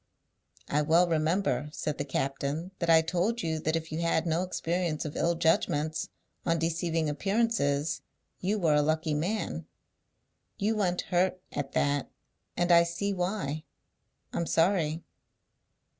"I well remember," said the captain, "that I told you that if you had no experience of ill judgments on deceiving appearances, you were a lucky man. You went hurt at that, and I see why. I'm sorry."